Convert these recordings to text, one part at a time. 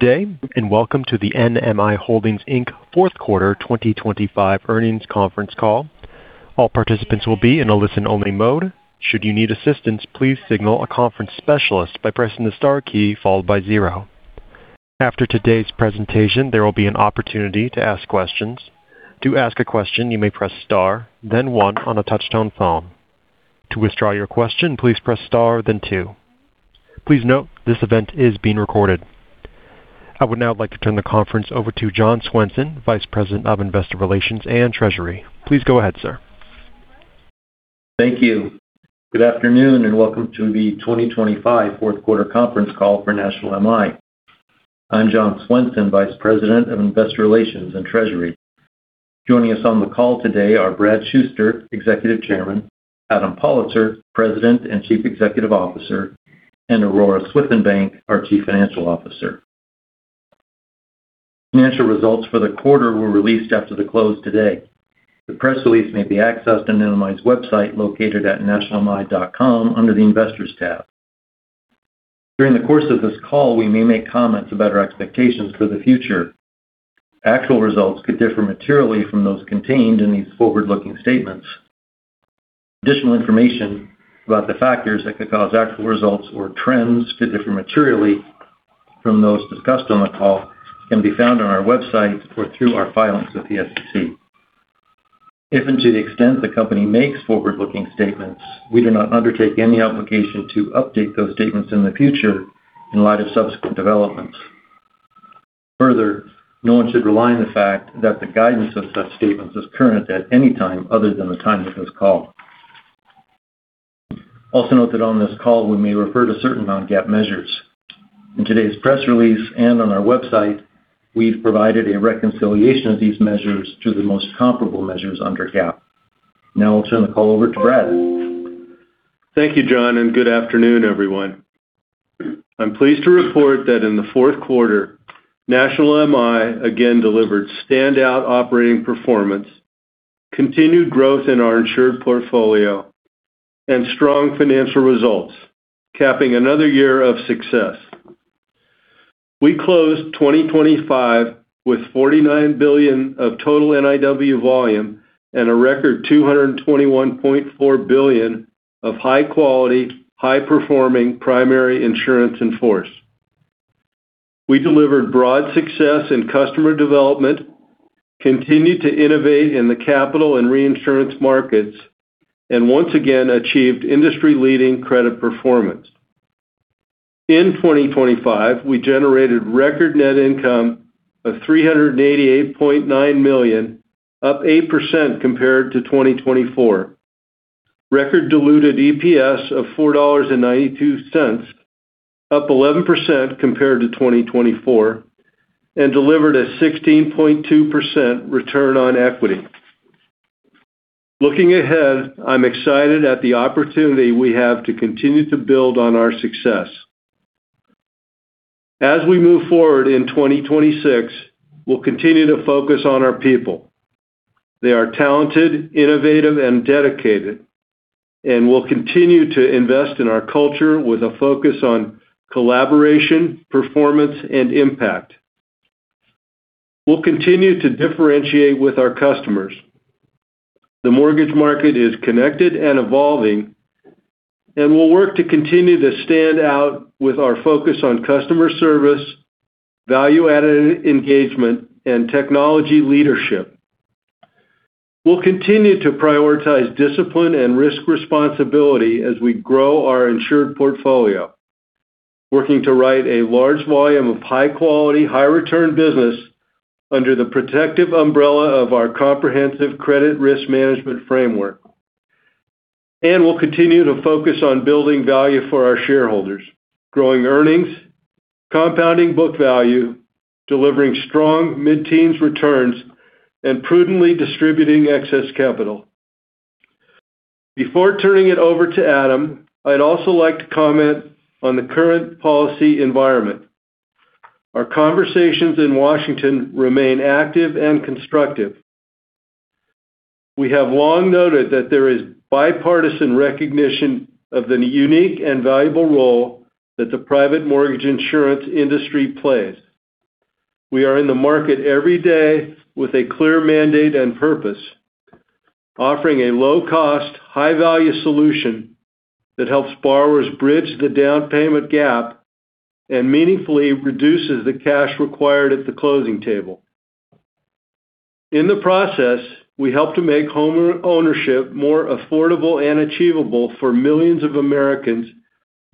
Good day and welcome to the NMI Holdings, Inc Fourth Quarter 2025 Earnings Conference Call. All participants will be in a listen-only mode. Should you need assistance, please signal a conference specialist by pressing the star key followed by zero. After today's presentation, there will be an opportunity to ask questions. To ask a question, you may press star, then one on a touch-tone phone. To withdraw your question, please press star, then two. Please note, this event is being recorded. I would now like to turn the conference over to John Swenson, Vice President of Investor Relations and Treasury. Please go ahead, sir. Thank you. Good afternoon and welcome to the 2025 fourth quarter conference call for National MI. I'm John Swenson, Vice President of Investor Relations and Treasury. Joining us on the call today are Brad Shuster, Executive Chairman; Adam Pollitzer, President and Chief Executive Officer; and Aurora Swithenbank, our Chief Financial Officer. Financial results for the quarter were released after the close today. The press release may be accessed on NMI's website located at nationalmi.com under the Investors tab. During the course of this call, we may make comments about our expectations for the future. Actual results could differ materially from those contained in these forward-looking statements. Additional information about the factors that could cause actual results or trends to differ materially from those discussed on the call can be found on our website or through our filings with the SEC. If and to the extent the company makes forward-looking statements, we do not undertake any obligation to update those statements in the future in light of subsequent developments. Further, no one should rely on the fact that the guidance of such statements is current at any time other than the time of this call. Also note that on this call we may refer to certain non-GAAP measures. In today's press release and on our website, we've provided a reconciliation of these measures to the most comparable measures under GAAP. Now I'll turn the call over to Brad. Thank you, John, and good afternoon, everyone. I'm pleased to report that in the fourth quarter, National MI again delivered standout operating performance, continued growth in our insured portfolio, and strong financial results, capping another year of success. We closed 2025 with $49 billion of total NIW volume and a record $221.4 billion of high-quality, high-performing primary insurance in force. We delivered broad success in customer development, continued to innovate in the capital and reinsurance markets, and once again achieved industry-leading credit performance. In 2025, we generated record net income of $388.9 million, up 8% compared to 2024. Record diluted EPS of $4.92, up 11% compared to 2024, and delivered a 16.2% return on equity. Looking ahead, I'm excited at the opportunity we have to continue to build on our success. As we move forward in 2026, we'll continue to focus on our people. They are talented, innovative, and dedicated, and we'll continue to invest in our culture with a focus on collaboration, performance, and impact. We'll continue to differentiate with our customers. The mortgage market is connected and evolving, and we'll work to continue to stand out with our focus on customer service, value-added engagement, and technology leadership. We'll continue to prioritize discipline and risk responsibility as we grow our insured portfolio, working to write a large volume of high-quality, high-return business under the protective umbrella of our comprehensive credit risk management framework. We'll continue to focus on building value for our shareholders, growing earnings, compounding book value, delivering strong mid-teens returns, and prudently distributing excess capital. Before turning it over to Adam, I'd also like to comment on the current policy environment. Our conversations in Washington remain active and constructive. We have long noted that there is bipartisan recognition of the unique and valuable role that the private mortgage insurance industry plays. We are in the market every day with a clear mandate and purpose, offering a low-cost, high-value solution that helps borrowers bridge the down payment gap and meaningfully reduces the cash required at the closing table. In the process, we help to make homeownership more affordable and achievable for millions of Americans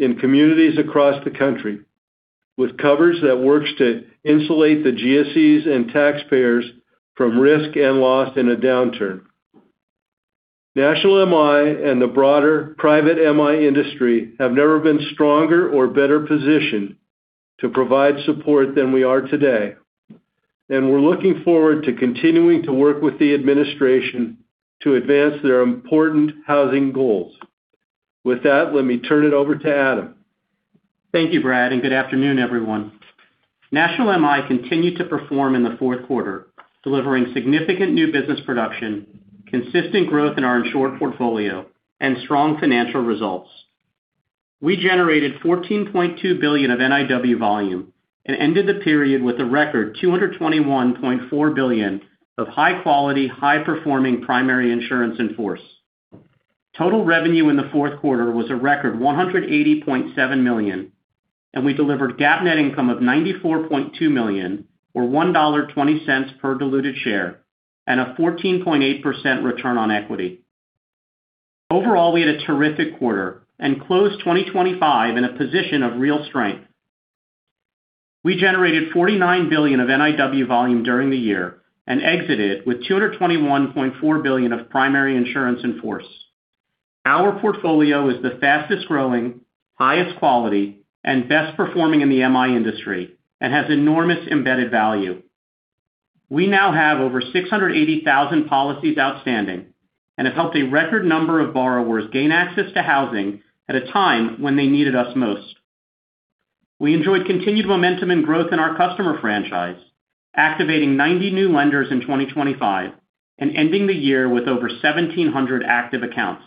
in communities across the country, with coverage that works to insulate the GSEs and taxpayers from risk and loss in a downturn. National MI and the broader private MI industry have never been stronger or better positioned to provide support than we are today, and we're looking forward to continuing to work with the administration to advance their important housing goals. With that, let me turn it over to Adam. Thank you, Brad, and good afternoon, everyone. National MI continued to perform in the fourth quarter, delivering significant new business production, consistent growth in our insured portfolio, and strong financial results. We generated $14.2 billion of NIW volume and ended the period with a record $221.4 billion of high-quality, high-performing primary insurance in force. Total revenue in the fourth quarter was a record $180.7 million, and we delivered GAAP net income of $94.2 million, or $1.20 per diluted share, and a 14.8% return on equity. Overall, we had a terrific quarter and closed 2025 in a position of real strength. We generated $49 billion of NIW volume during the year and exited with $221.4 billion of primary insurance in force. Our portfolio is the fastest growing, highest quality, and best performing in the MI industry and has enormous embedded value. We now have over 680,000 policies outstanding and have helped a record number of borrowers gain access to housing at a time when they needed us most. We enjoyed continued momentum and growth in our customer franchise, activating 90 new lenders in 2025 and ending the year with over 1,700 active accounts.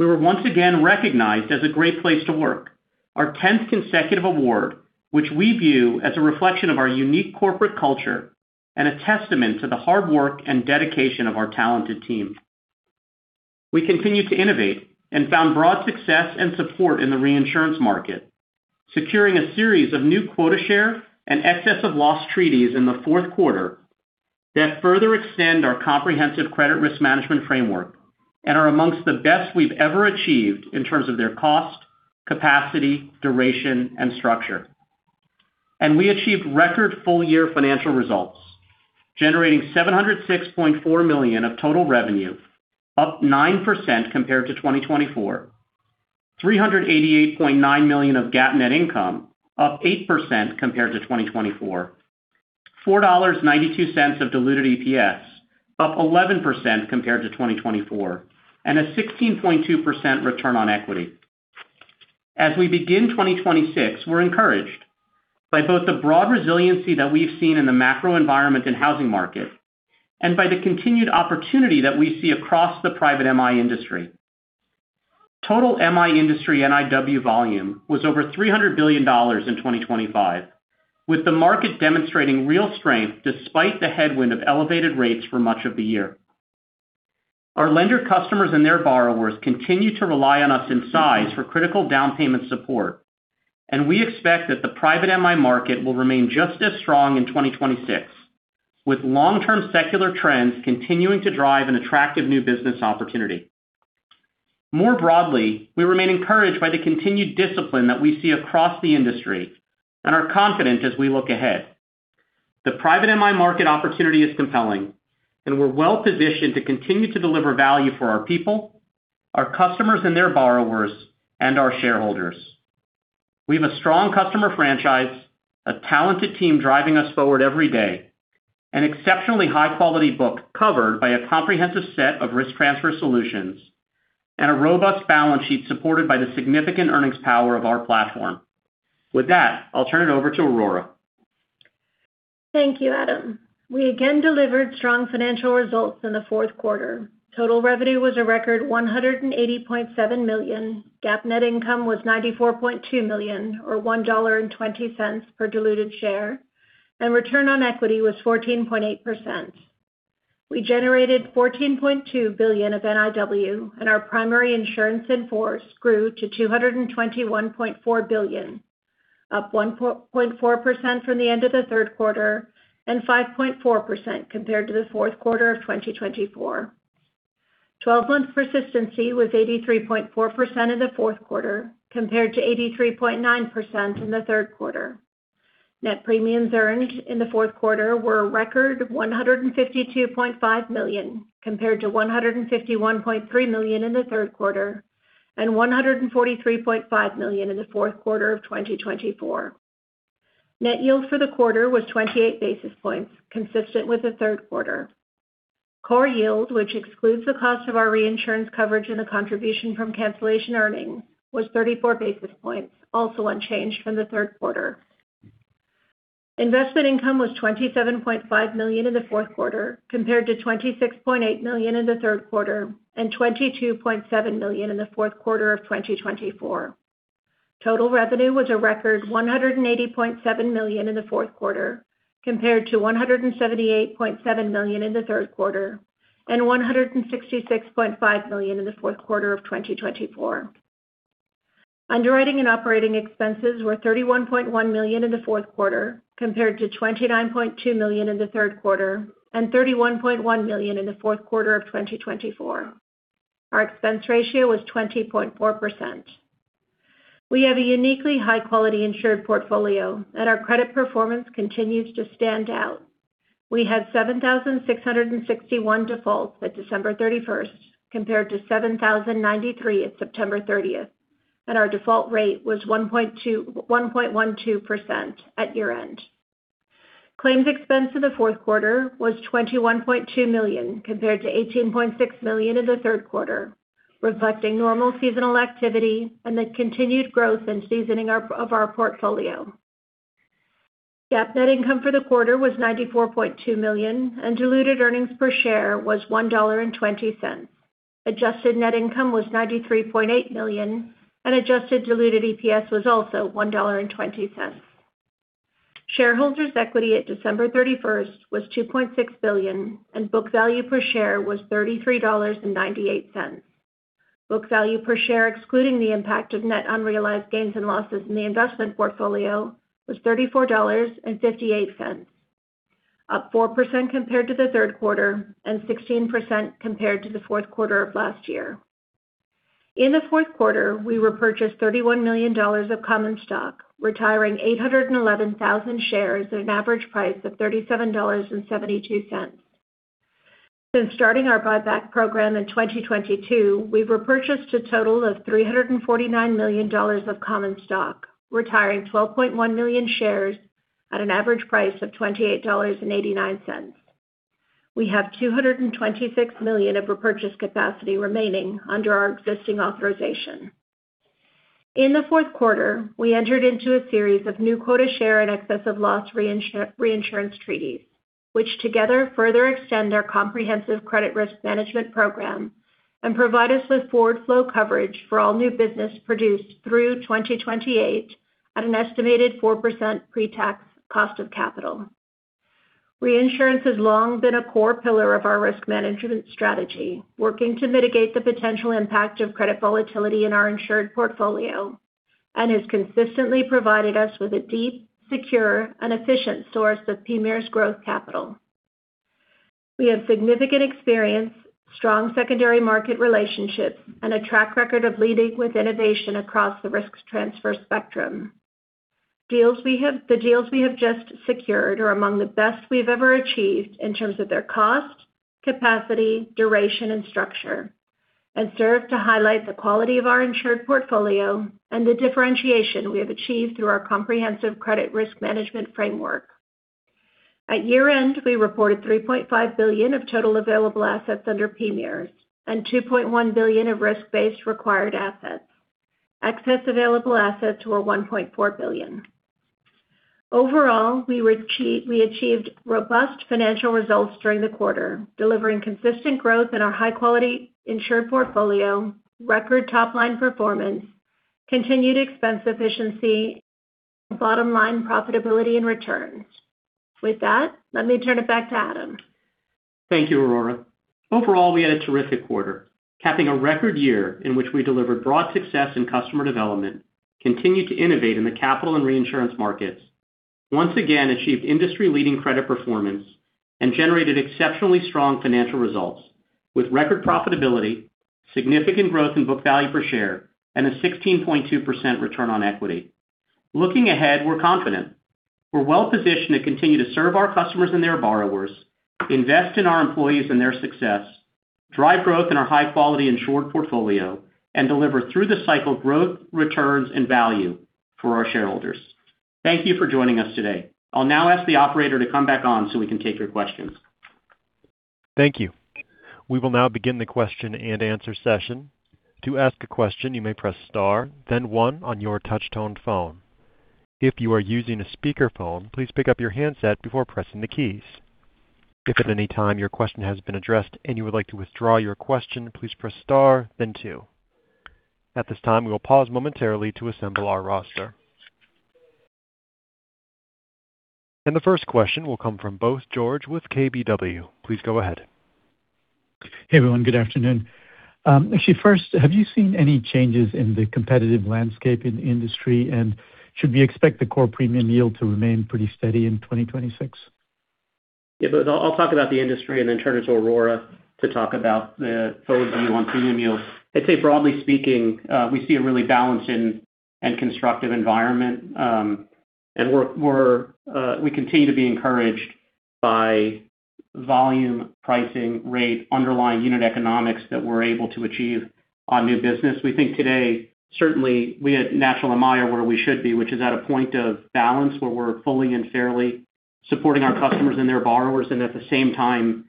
We were once again recognized as a great place to work, our 10th consecutive award, which we view as a reflection of our unique corporate culture and a testament to the hard work and dedication of our talented team. We continue to innovate and found broad success and support in the reinsurance market, securing a series of new quota share and excess loss treaties in the fourth quarter that further extend our comprehensive credit risk management framework and are among the best we've ever achieved in terms of their cost, capacity, duration, and structure. We achieved record full-year financial results, generating $706.4 million of total revenue, up 9% compared to 2024. $388.9 million of GAAP net income, up 8% compared to 2024. $4.92 of diluted EPS, up 11% compared to 2024. And a 16.2% return on equity. As we begin 2026, we're encouraged by both the broad resiliency that we've seen in the macro environment and housing market and by the continued opportunity that we see across the private MI industry. Total MI industry NIW volume was over $300 billion in 2025, with the market demonstrating real strength despite the headwind of elevated rates for much of the year. Our lender customers and their borrowers continue to rely on us in size for critical down payment support, and we expect that the private MI market will remain just as strong in 2026, with long-term secular trends continuing to drive an attractive new business opportunity. More broadly, we remain encouraged by the continued discipline that we see across the industry and are confident as we look ahead. The private MI market opportunity is compelling, and we're well positioned to continue to deliver value for our people, our customers and their borrowers, and our shareholders. We have a strong customer franchise, a talented team driving us forward every day, an exceptionally high-quality book covered by a comprehensive set of risk transfer solutions, and a robust balance sheet supported by the significant earnings power of our platform. With that, I'll turn it over to Aurora. Thank you, Adam. We again delivered strong financial results in the fourth quarter. Total revenue was a record $180.7 million, GAAP net income was $94.2 million, or $1.20 per diluted share, and return on equity was 14.8%. We generated $14.2 billion of NIW, and our primary insurance in force grew to $221.4 billion, up 1.4% from the end of the third quarter and 5.4% compared to the fourth quarter of 2024. Twelve-month persistency was 83.4% in the fourth quarter compared to 83.9% in the third quarter. Net premiums earned in the fourth quarter were a record $152.5 million compared to $151.3 million in the third quarter and $143.5 million in the fourth quarter of 2024. Net yield for the quarter was 28 basis points, consistent with the third quarter. Core yield, which excludes the cost of our reinsurance coverage and the contribution from cancellation earnings, was 34 basis points, also unchanged from the third quarter. Investment income was $27.5 million in the fourth quarter compared to $26.8 million in the third quarter and $22.7 million in the fourth quarter of 2024. Total revenue was a record $180.7 million in the fourth quarter compared to $178.7 million in the third quarter and $166.5 million in the fourth quarter of 2024. Underwriting and operating expenses were $31.1 million in the fourth quarter compared to $29.2 million in the third quarter and $31.1 million in the fourth quarter of 2024. Our expense ratio was 20.4%. We have a uniquely high-quality insured portfolio, and our credit performance continues to stand out. We had 7,661 defaults at December 31st compared to 7,093 at September 30th, and our default rate was 1.12% at year-end. Claims expense in the fourth quarter was $21.2 million compared to $18.6 million in the third quarter, reflecting normal seasonal activity and the continued growth and seasoning of our portfolio. GAAP net income for the quarter was $94.2 million, and diluted earnings per share was $1.20. Adjusted net income was $93.8 million, and adjusted diluted EPS was also $1.20. Shareholders' equity at December 31st was $2.6 billion, and book value per share was $33.98. Book value per share, excluding the impact of net unrealized gains and losses in the investment portfolio, was $34.58, up 4% compared to the third quarter and 16% compared to the fourth quarter of last year. In the fourth quarter, we repurchased $31 million of common stock, retiring 811,000 shares at an average price of $37.72. Since starting our buyback program in 2022, we've repurchased a total of $349 million of common stock, retiring 12.1 million shares at an average price of $28.89. We have $226 million of repurchase capacity remaining under our existing authorization. In the fourth quarter, we entered into a series of new quota share and excess of loss reinsurance treaties, which together further extend our comprehensive credit risk management program and provide us with forward flow coverage for all new business produced through 2028 at an estimated 4% pre-tax cost of capital. Reinsurance has long been a core pillar of our risk management strategy, working to mitigate the potential impact of credit volatility in our insured portfolio and has consistently provided us with a deep, secure, and efficient source of PMIERs growth capital. We have significant experience, strong secondary market relationships, and a track record of leading with innovation across the risk transfer spectrum. The deals we have just secured are among the best we've ever achieved in terms of their cost, capacity, duration, and structure, and serve to highlight the quality of our insured portfolio and the differentiation we have achieved through our comprehensive credit risk management framework. At year-end, we reported $3.5 billion of total available assets under PMIERs and $2.1 billion of risk-based required assets. Excess available assets were $1.4 billion. Overall, we achieved robust financial results during the quarter, delivering consistent growth in our high-quality insured portfolio, record top-line performance, continued expense efficiency, and bottom-line profitability and returns. With that, let me turn it back to Adam. Thank you, Aurora. Overall, we had a terrific quarter, capping a record year in which we delivered broad success in customer development, continued to innovate in the capital and reinsurance markets, once again achieved industry-leading credit performance, and generated exceptionally strong financial results with record profitability, significant growth in book value per share, and a 16.2% return on equity. Looking ahead, we're confident. We're well positioned to continue to serve our customers and their borrowers, invest in our employees and their success, drive growth in our high-quality insured portfolio, and deliver through the cycle growth, returns, and value for our shareholders. Thank you for joining us today. I'll now ask the operator to come back on so we can take your questions. Thank you. We will now begin the question and answer session. To ask a question, you may press star, then one on your touch-tone phone. If you are using a speakerphone, please pick up your handset before pressing the keys. If at any time your question has been addressed and you would like to withdraw your question, please press star, then two. At this time, we will pause momentarily to assemble our roster. The first question will come from Bose George with KBW. Please go ahead. Hey, everyone. Good afternoon. Actually, first, have you seen any changes in the competitive landscape in the industry, and should we expect the core premium yield to remain pretty steady in 2026? Yeah, but I'll talk about the industry and then turn it to Aurora to talk about the forward view on premium yield. I'd say, broadly speaking, we see a really balanced and constructive environment, and we continue to be encouraged by volume, pricing, rate, underlying unit economics that we're able to achieve on new business. We think today, certainly, we at National MI are where we should be, which is at a point of balance where we're fully and fairly supporting our customers and their borrowers, and at the same time,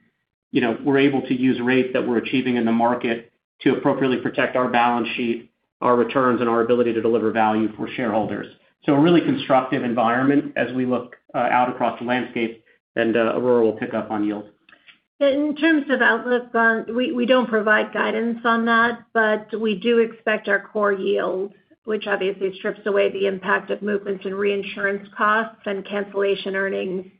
we're able to use rates that we're achieving in the market to appropriately protect our balance sheet, our returns, and our ability to deliver value for shareholders. So a really constructive environment as we look out across the landscape, and Aurora will pick up on yield. In terms of outlook, we don't provide guidance on that, but we do expect our core yield, which obviously strips away the impact of movements in reinsurance costs and cancellation earnings.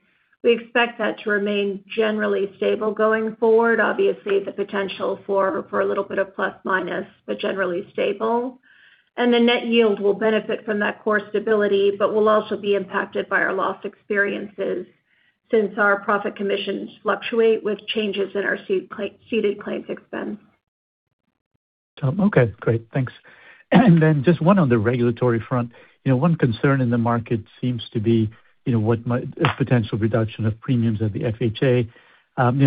We expect that to remain generally stable going forward. Obviously, the potential for a little bit of plus-minus, but generally stable. And the net yield will benefit from that core stability, but will also be impacted by our loss experiences since our profit commissions fluctuate with changes in our ceded claims expense. Okay. Great. Thanks. And then just one on the regulatory front. One concern in the market seems to be a potential reduction of premiums at the FHA.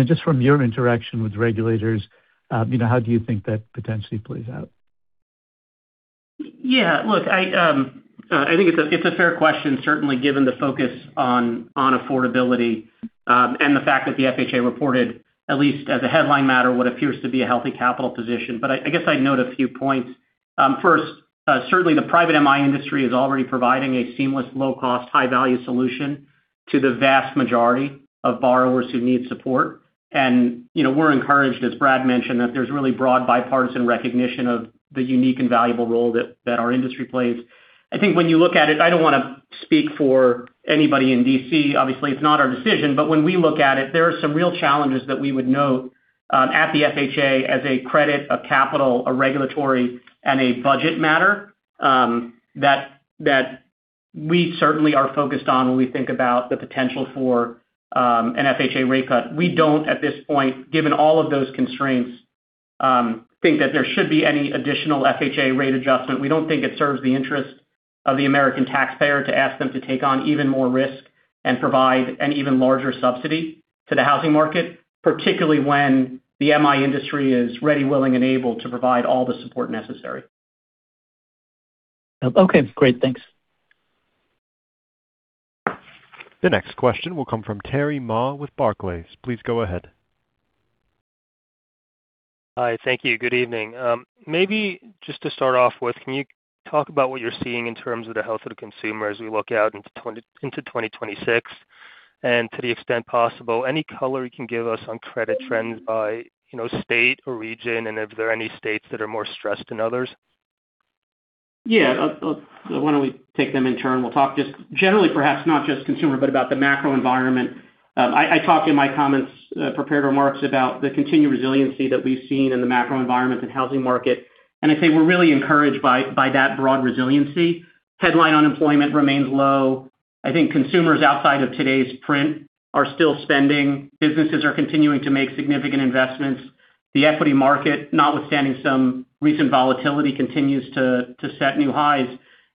Just from your interaction with regulators, how do you think that potentially plays out? Yeah. Look, I think it's a fair question, certainly given the focus on affordability and the fact that the FHA reported, at least as a headline matter, what appears to be a healthy capital position. But I guess I'd note a few points. First, certainly, the private MI industry is already providing a seamless, low-cost, high-value solution to the vast majority of borrowers who need support. And we're encouraged, as Brad mentioned, that there's really broad bipartisan recognition of the unique and valuable role that our industry plays. I think when you look at it, I don't want to speak for anybody in D.C. Obviously, it's not our decision, but when we look at it, there are some real challenges that we would note at the FHA as a credit, a capital, a regulatory, and a budget matter that we certainly are focused on when we think about the potential for an FHA rate cut. We don't, at this point, given all of those constraints, think that there should be any additional FHA rate adjustment. We don't think it serves the interest of the American taxpayer to ask them to take on even more risk and provide an even larger subsidy to the housing market, particularly when the MI industry is ready, willing, and able to provide all the support necessary. Okay. Great. Thanks. The next question will come from Terry Ma with Barclays. Please go ahead. Hi. Thank you. Good evening. Maybe just to start off with, can you talk about what you're seeing in terms of the health of the consumer as we look out into 2026? And to the extent possible, any color you can give us on credit trends by state or region and if there are any states that are more stressed than others? Yeah. Why don't we take them in turn? We'll talk just generally, perhaps not just consumer, but about the macro environment. I talked in my comments, prepared remarks, about the continued resiliency that we've seen in the macro environment and housing market. I say we're really encouraged by that broad resiliency. Headline unemployment remains low. I think consumers outside of today's print are still spending. Businesses are continuing to make significant investments. The equity market, notwithstanding some recent volatility, continues to set new highs.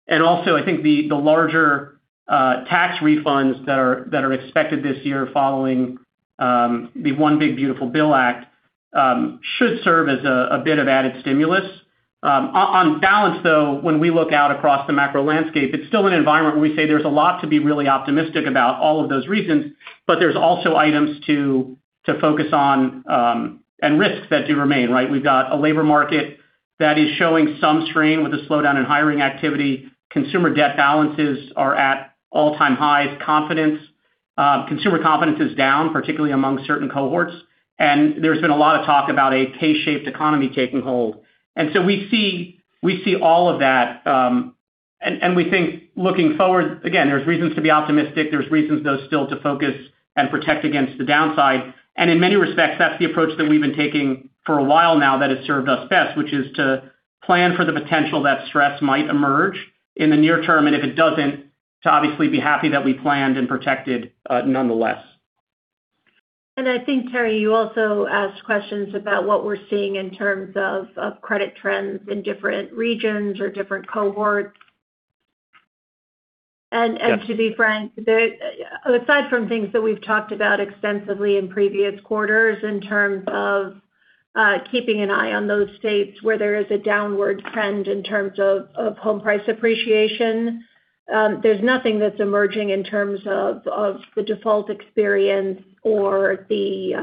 I think the larger tax refunds that are expected this year following the One Big Beautiful Bill Act should serve as a bit of added stimulus. On balance, though, when we look out across the macro landscape, it's still an environment where we say there's a lot to be really optimistic about, all of those reasons, but there's also items to focus on and risks that do remain, right? We've got a labor market that is showing some strain with a slowdown in hiring activity. Consumer debt balances are at all-time highs. Consumer confidence is down, particularly among certain cohorts. There's been a lot of talk about a K-shaped economy taking hold. We see all of that. We think looking forward, again, there's reasons to be optimistic. There's reasons, though, still to focus and protect against the downside. In many respects, that's the approach that we've been taking for a while now that has served us best, which is to plan for the potential that stress might emerge in the near term. If it doesn't, to obviously be happy that we planned and protected nonetheless. I think, Terry, you also asked questions about what we're seeing in terms of credit trends in different regions or different cohorts. To be frank, aside from things that we've talked about extensively in previous quarters in terms of keeping an eye on those states where there is a downward trend in terms of home price appreciation, there's nothing that's emerging in terms of the default experience or the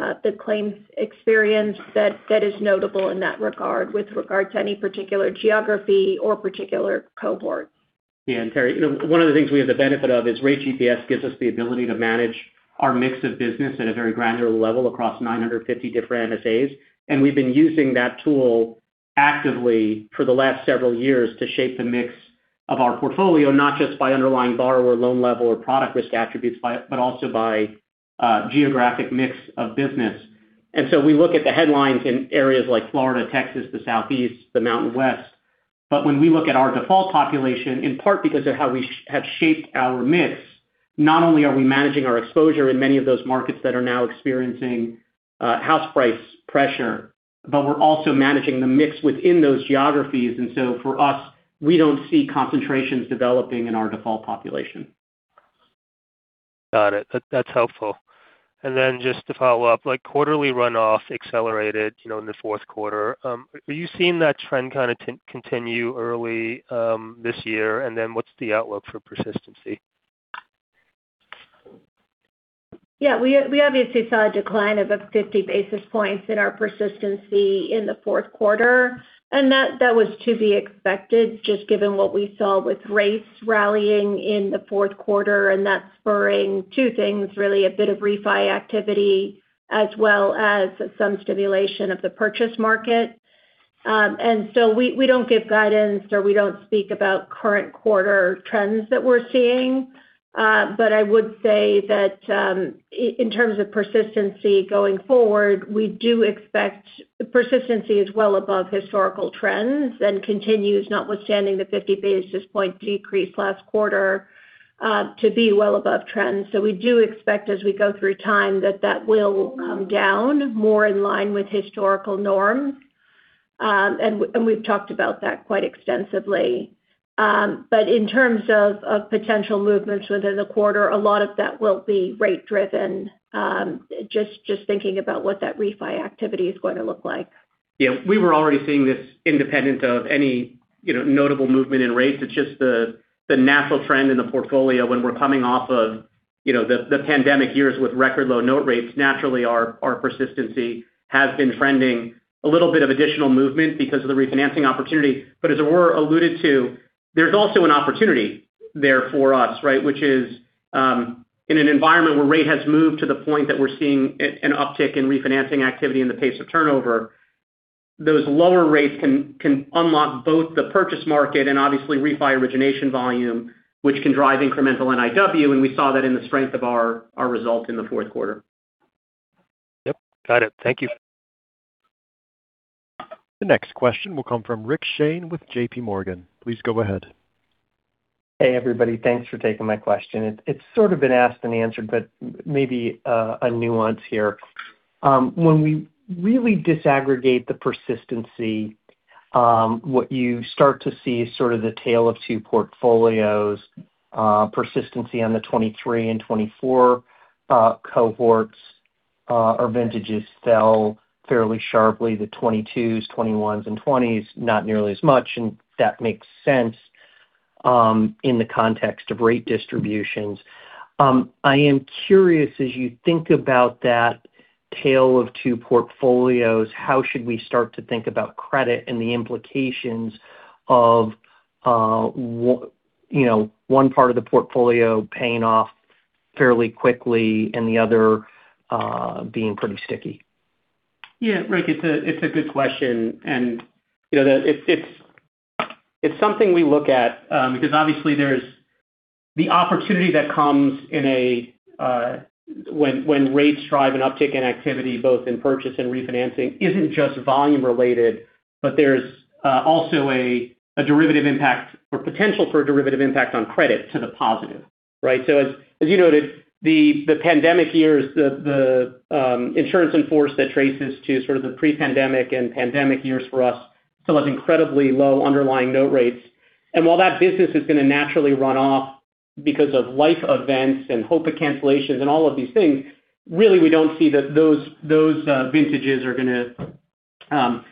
claims experience that is notable in that regard with regard to any particular geography or particular cohort. Yeah. And Terry, one of the things we have the benefit of is RateGPS gives us the ability to manage our mix of business at a very granular level across 950 different MSAs. And we've been using that tool actively for the last several years to shape the mix of our portfolio, not just by underlying borrower loan level or product risk attributes, but also by geographic mix of business. And so we look at the headlines in areas like Florida, Texas, the Southeast, the Mountain West. But when we look at our default population, in part because of how we have shaped our mix, not only are we managing our exposure in many of those markets that are now experiencing house price pressure, but we're also managing the mix within those geographies. And so for us, we don't see concentrations developing in our default population. Got it. That's helpful. And then just to follow up, quarterly runoff accelerated in the fourth quarter. Are you seeing that trend kind of continue early this year? And then what's the outlook for persistency? Yeah. We obviously saw a decline of 50 basis points in our persistency in the fourth quarter. That was to be expected just given what we saw with rates rallying in the fourth quarter. That's spurring two things, really, a bit of refi activity as well as some stimulation of the purchase market. We don't give guidance or we don't speak about current quarter trends that we're seeing. I would say that in terms of persistency going forward, we do expect persistency is well above historical trends and continues, notwithstanding the 50 basis point decrease last quarter, to be well above trends. We do expect, as we go through time, that that will come down more in line with historical norms. We've talked about that quite extensively. In terms of potential movements within the quarter, a lot of that will be rate-driven, just thinking about what that refi activity is going to look like. Yeah. We were already seeing this independent of any notable movement in rates. It's just the natural trend in the portfolio. When we're coming off of the pandemic years with record low note rates, naturally, our persistency has been trending a little bit of additional movement because of the refinancing opportunity. But as Aurora alluded to, there's also an opportunity there for us, right, which is in an environment where rate has moved to the point that we're seeing an uptick in refinancing activity and the pace of turnover, those lower rates can unlock both the purchase market and, obviously, refi origination volume, which can drive incremental NIW. And we saw that in the strength of our result in the fourth quarter. Yep. Got it. Thank you. The next question will come from Rick Shane with JPMorgan. Please go ahead. Hey, everybody. Thanks for taking my question. It's sort of been asked and answered, but maybe a nuance here. When we really disaggregate the persistency, what you start to see is sort of the tale of two portfolios. Persistency on the 2023 and 2024 cohorts or vintages fell fairly sharply. The 2022s, 2021s, and 2020s, not nearly as much. That makes sense in the context of rate distributions. I am curious, as you think about that tale of two portfolios, how should we start to think about credit and the implications of one part of the portfolio paying off fairly quickly and the other being pretty sticky? Yeah, Rick, it's a good question. And it's something we look at because, obviously, there's the opportunity that comes when rates drive an uptick in activity, both in purchase and refinancing, isn't just volume-related, but there's also a derivative impact or potential for a derivative impact on credit to the positive, right? So as you noted, the pandemic years, the insurance in force that traces to sort of the pre-pandemic and pandemic years for us still has incredibly low underlying note rates. And while that business is going to naturally run off because of life events and HOPA cancellations and all of these things, really, we don't see that those vintages are going to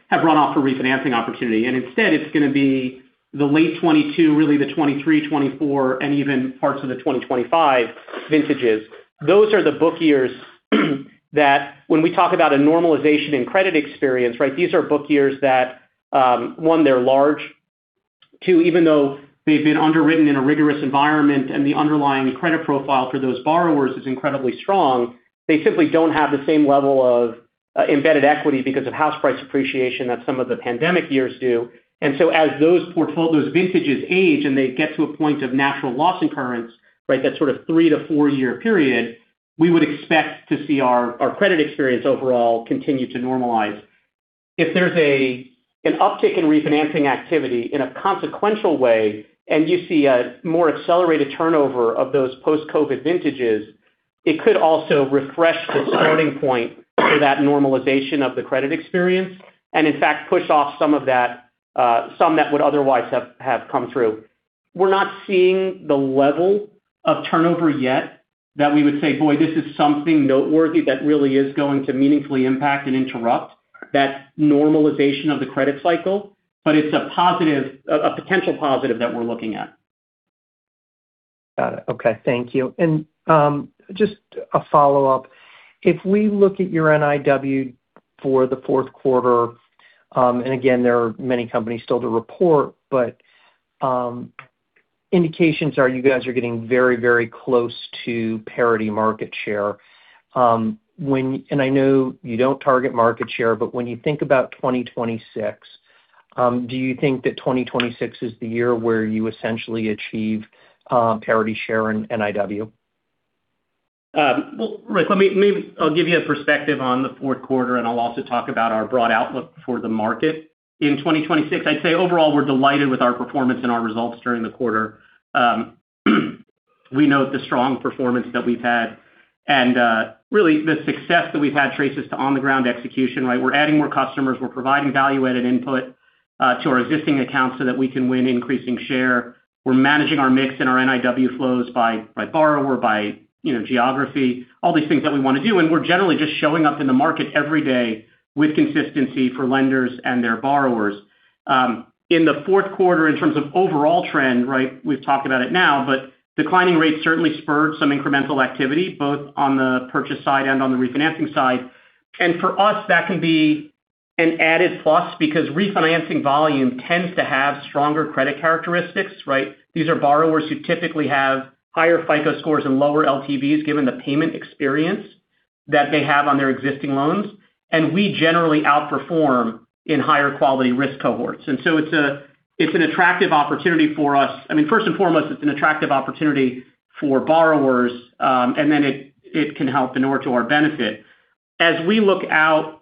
have run off for refinancing opportunity. And instead, it's going to be the late 2022, really the 2023, 2024, and even parts of the 2025 vintages. Those are the book years that when we talk about a normalization in credit experience, right, these are book years that, one, they're large. Two, even though they've been underwritten in a rigorous environment and the underlying credit profile for those borrowers is incredibly strong, they simply don't have the same level of embedded equity because of house price appreciation that some of the pandemic years do. And so as those vintages age and they get to a point of natural loss incurrence, that sort of three to four year period, we would expect to see our credit experience overall continue to normalize. If there's an uptick in refinancing activity in a consequential way and you see a more accelerated turnover of those post-COVID vintages, it could also refresh the starting point for that normalization of the credit experience and, in fact, push off some of that, some that would otherwise have come through. We're not seeing the level of turnover yet that we would say, "Boy, this is something noteworthy that really is going to meaningfully impact and interrupt that normalization of the credit cycle." But it's a potential positive that we're looking at. Got it. Okay. Thank you. Just a follow-up. If we look at your NIW for the fourth quarter, and again, there are many companies still to report, but indications are you guys are getting very, very close to parity market share. And I know you don't target market share, but when you think about 2026, do you think that 2026 is the year where you essentially achieve parity share in NIW? Well, Rick, maybe I'll give you a perspective on the fourth quarter, and I'll also talk about our broad outlook for the market. In 2026, I'd say overall, we're delighted with our performance and our results during the quarter. We note the strong performance that we've had. And really, the success that we've had traces to on-the-ground execution, right? We're adding more customers. We're providing value-added input to our existing accounts so that we can win increasing share. We're managing our mix and our NIW flows by borrower, by geography, all these things that we want to do. And we're generally just showing up in the market every day with consistency for lenders and their borrowers. In the fourth quarter, in terms of overall trend, right, we've talked about it now, but declining rates certainly spurred some incremental activity, both on the purchase side and on the refinancing side. And for us, that can be an added plus because refinancing volume tends to have stronger credit characteristics, right? These are borrowers who typically have higher FICO scores and lower LTVs given the payment experience that they have on their existing loans. And we generally outperform in higher-quality risk cohorts. And so it's an attractive opportunity for us. I mean, first and foremost, it's an attractive opportunity for borrowers. And then it can help in order to our benefit. As we look out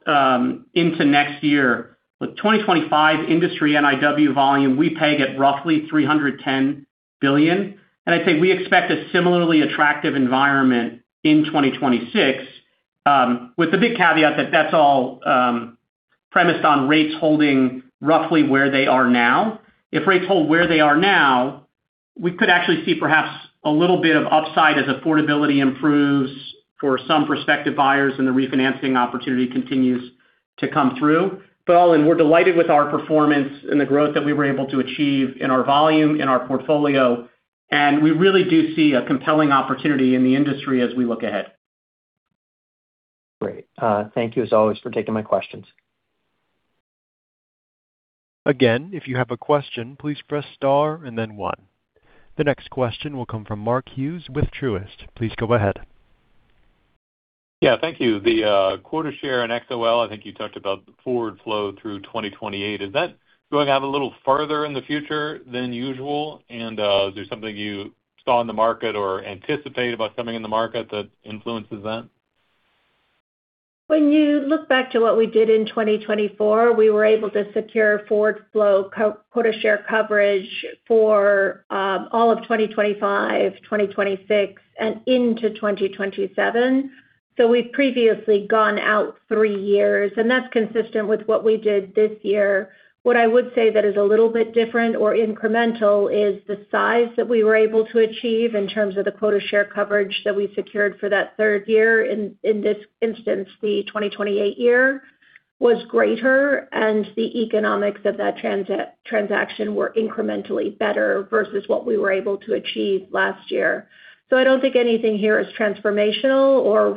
into next year, the 2025 industry NIW volume, we pay it roughly $310 billion. And I'd say we expect a similarly attractive environment in 2026 with the big caveat that that's all premised on rates holding roughly where they are now. If rates hold where they are now, we could actually see perhaps a little bit of upside as affordability improves for some prospective buyers and the refinancing opportunity continues to come through. But all in, we're delighted with our performance and the growth that we were able to achieve in our volume, in our portfolio. We really do see a compelling opportunity in the industry as we look ahead. Great. Thank you, as always, for taking my questions. Again, if you have a question, please press star and then one. The next question will come from Mark Hughes with Truist. Please go ahead. Yeah. Thank you. The quota share and XOL, I think you talked about, forward flow through 2028, is that going to have a little further in the future than usual? Is there something you saw in the market or anticipate about coming in the market that influences that? When you look back to what we did in 2024, we were able to secure forward flow quota share coverage for all of 2025, 2026, and into 2027. So we've previously gone out three years. And that's consistent with what we did this year. What I would say that is a little bit different or incremental is the size that we were able to achieve in terms of the quota share coverage that we secured for that third year. In this instance, the 2028 year was greater. And the economics of that transaction were incrementally better versus what we were able to achieve last year. So I don't think anything here is transformational or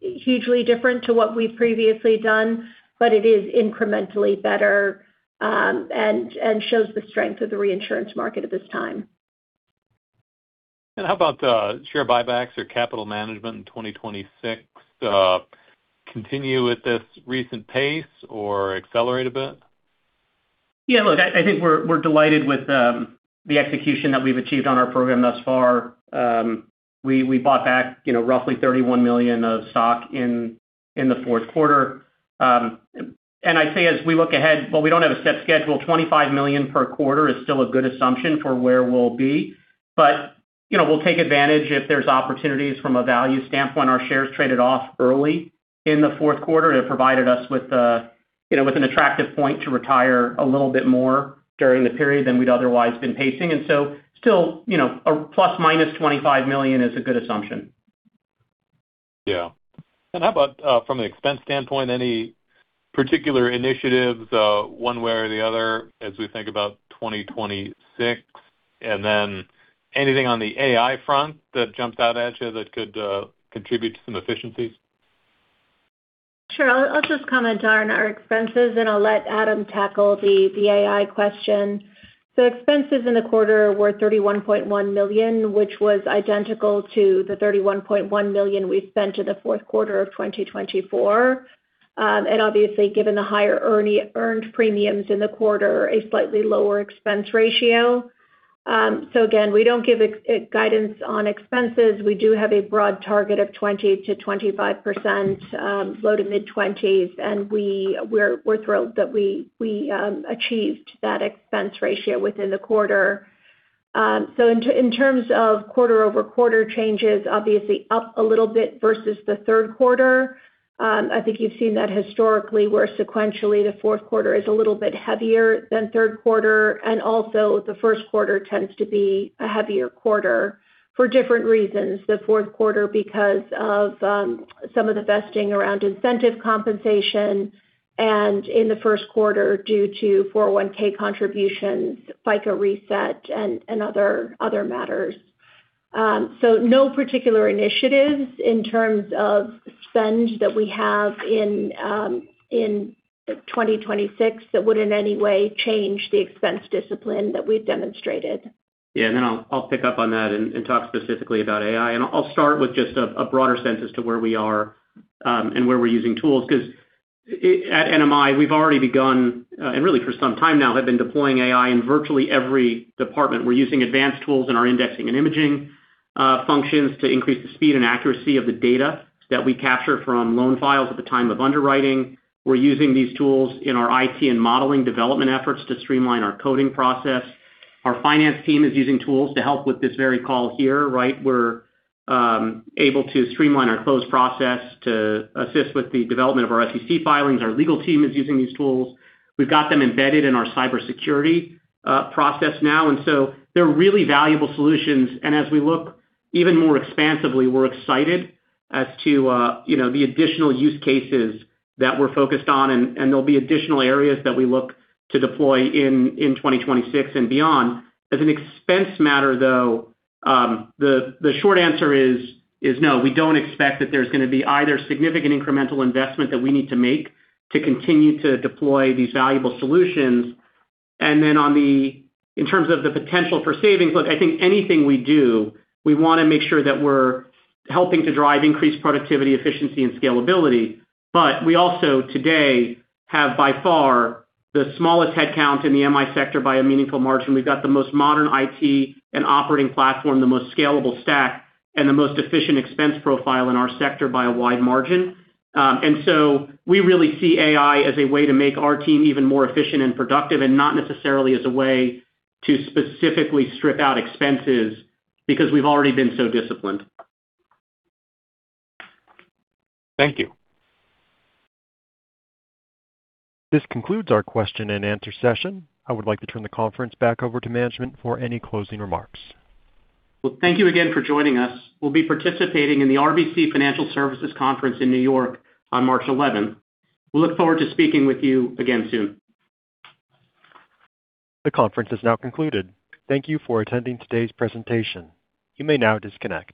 hugely different to what we've previously done. But it is incrementally better and shows the strength of the reinsurance market at this time. How about share buybacks or capital management in 2026? Continue with this recent pace or accelerate a bit? Yeah. Look, I think we're delighted with the execution that we've achieved on our program thus far. We bought back roughly 31 million of stock in the fourth quarter. I'd say as we look ahead, well, we don't have a set schedule. 25 million per quarter is still a good assumption for where we'll be. But we'll take advantage if there's opportunities from a value standpoint. Our shares traded off early in the fourth quarter. It provided us with an attractive point to retire a little bit more during the period than we'd otherwise been pacing. So still, a ±25 million is a good assumption. Yeah. And how about from an expense standpoint, any particular initiatives, one way or the other, as we think about 2026? And then anything on the AI front that jumped out at you that could contribute to some efficiencies? Sure. I'll just comment on our expenses, and I'll let Adam tackle the AI question. So expenses in the quarter were $31.1 million, which was identical to the $31.1 million we spent in the fourth quarter of 2024. And obviously, given the higher earned premiums in the quarter, a slightly lower expense ratio. So again, we don't give guidance on expenses. We do have a broad target of 20%-25%, low to mid-20s. And we're thrilled that we achieved that expense ratio within the quarter. So in terms of quarter-over-quarter changes, obviously, up a little bit versus the third quarter. I think you've seen that historically where sequentially the fourth quarter is a little bit heavier than third quarter. And also, the first quarter tends to be a heavier quarter for different reasons. The fourth quarter because of some of the vesting around incentive compensation. In the first quarter, due to 401(k) contributions, FICO reset, and other matters. No particular initiatives in terms of spend that we have in 2026 that would in any way change the expense discipline that we've demonstrated. Yeah. And then I'll pick up on that and talk specifically about AI. And I'll start with just a broader sense as to where we are and where we're using tools because at NMI, we've already begun and really for some time now have been deploying AI in virtually every department. We're using advanced tools in our indexing and imaging functions to increase the speed and accuracy of the data that we capture from loan files at the time of underwriting. We're using these tools in our IT and modeling development efforts to streamline our coding process. Our finance team is using tools to help with this very call here, right? We're able to streamline our close process to assist with the development of our SEC filings. Our legal team is using these tools. We've got them embedded in our cybersecurity process now. And so they're really valuable solutions. As we look even more expansively, we're excited as to the additional use cases that we're focused on. There'll be additional areas that we look to deploy in 2026 and beyond. As an expense matter, though, the short answer is no. We don't expect that there's going to be either significant incremental investment that we need to make to continue to deploy these valuable solutions. Then in terms of the potential for savings, look, I think anything we do, we want to make sure that we're helping to drive increased productivity, efficiency, and scalability. But we also, today, have by far the smallest headcount in the MI sector by a meaningful margin. We've got the most modern IT and operating platform, the most scalable stack, and the most efficient expense profile in our sector by a wide margin. And so we really see AI as a way to make our team even more efficient and productive and not necessarily as a way to specifically strip out expenses because we've already been so disciplined. Thank you. This concludes our question and answer session. I would like to turn the conference back over to management for any closing remarks. Well, thank you again for joining us. We'll be participating in the RBC Financial Services Conference in New York on March 11th. We'll look forward to speaking with you again soon. The conference has now concluded. Thank you for attending today's presentation. You may now disconnect.